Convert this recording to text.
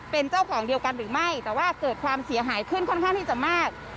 เป็นเจ้าของเดียวกันหรือไม่แต่ว่าเกิดความเสียหายขึ้นค่อนข้างที่จะมาก